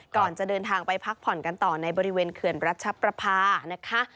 ก่อนจะเดินทางไปพักผ่อนกันต่อในบริเวณเขื่อนรัชประพานะคะ